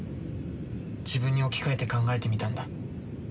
自分に置き換えて考えてみたんだ。